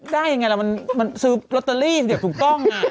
ได้ยังไงมันซื้อลอตเตอรี่เดี๋ยวถูกก้อง